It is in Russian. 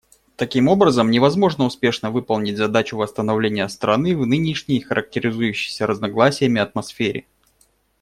Таким образом, невозможно успешно выполнить задачу восстановления страны в нынешней характеризующейся разногласиями атмосфере.